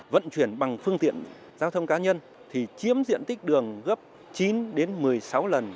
vận chuyển bằng phương tiện giao thông cá nhân thì chiếm diện tích đường gấp chín đến một mươi sáu lần